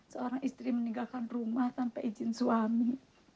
seorang istri meninggalkan rumah tanpa izin suami